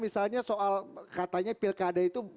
misalnya soal katanya pilkada itu